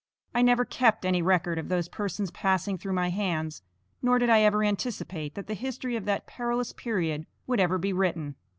I never kept any record of those persons passing through my hands, nor did I ever anticipate that the history of that perilous period would ever be written.